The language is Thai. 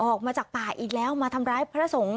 ออกมาจากป่าอีกแล้วมาทำร้ายพระสงฆ์